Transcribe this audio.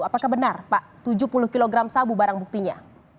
apakah benar pak tujuh puluh kg sabu barang buktinya